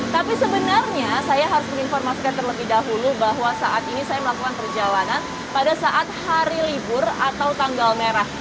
tapi sebenarnya saya harus menginformasikan terlebih dahulu bahwa saat ini saya melakukan perjalanan pada saat hari libur atau tanggal merah